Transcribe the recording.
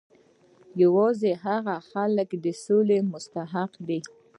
چې یوازې هغه خلک د سولې مستحق دي